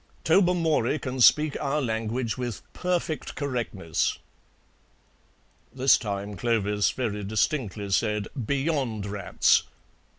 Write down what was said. Tobermory can speak our language with perfect correctness." This time Clovis very distinctly said, "Beyond rats!"